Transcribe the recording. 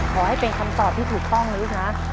ขอให้เป็นคำตอบที่ถูกต้องนะลูกนะ